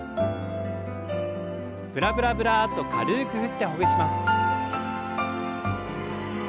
ブラブラブラッと軽く振ってほぐします。